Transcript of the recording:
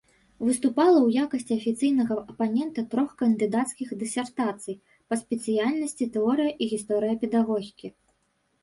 Выступала ў якасці афіцыйнага апанента трох кандыдацкіх дысертацый па спецыяльнасці тэорыя і гісторыя педагогікі.